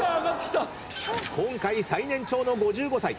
今回最年長の５５歳。